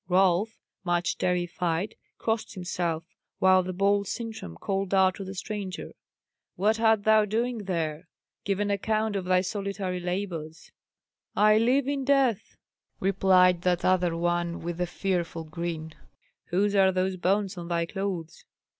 Rolf, much terrified, crossed himself, while the bold Sintram called out to the stranger, "What art thou doing there? Give an account of thy solitary labours." "I live in death," replied that other one with a fearful grin. "Whose are those bones on thy clothes?"